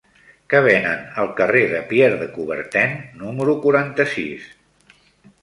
Què venen al carrer de Pierre de Coubertin número quaranta-sis?